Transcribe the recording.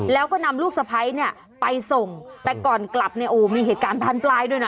แล้วก็นำลูกสะพ้ายไปส่งไปก่อนกลับโอ้มีเหตุการณ์พันปลายด้วยนะ